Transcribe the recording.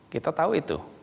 kita tahu itu